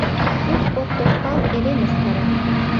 Куш от тошкал — эре мыскара!»